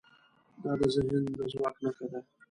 دا د ذهن د ځواک نښه ده.